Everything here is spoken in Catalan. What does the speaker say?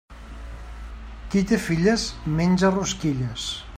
Qui té filles menja rosquilles.